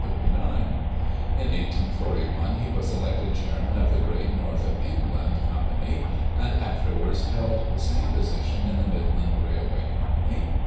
In 1841, he was elected Chcdrman of the Great North of England Com pany ; and, afterwards, held the same position in the Midland Railway Company.